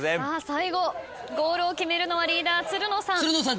最後ゴールを決めるのはリーダーつるのさん。